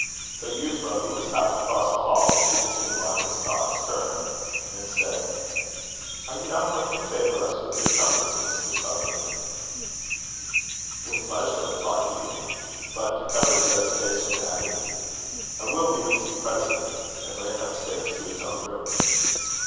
But Euphra, who was half across the hall, seeming to divine his thoughts, turned, and said, "Are you not going to favour us with your company, Mr. Sutherland?" "With pleasure," replied Hugh; but, to cover his hesitation, added, "I will be with you presently;" and ran up stairs to his own room.